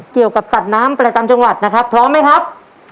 เกี่ยวกับสัตว์น้ำประจำจังหวัดนะครับพร้อมไหมครับ